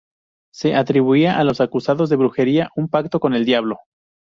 Se atribuía a los acusados de brujería un pacto con el Diablo.